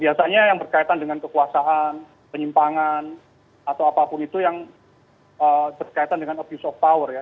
biasanya yang berkaitan dengan kekuasaan penyimpangan atau apapun itu yang berkaitan dengan abuse of power ya